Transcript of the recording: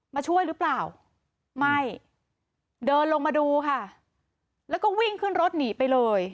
มาช่วยหรือเปล่าไม่เดินลงมาดูค่ะแล้วก็วิ่งขึ้นรถหนีไปเลย